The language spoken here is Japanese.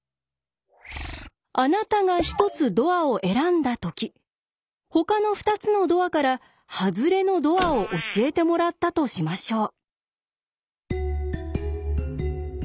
あなたが１つドアを選んだときほかの２つのドアからハズレのドアを教えてもらったとしましょう。